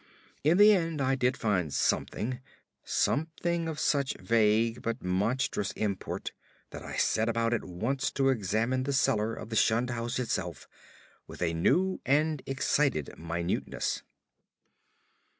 In the end I did find something; something of such vague but monstrous import that I set about at once to examine the cellar of the shunned house itself with a new and excited minuteness.